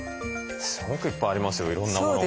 すごくいっぱいありますよいろんなものが。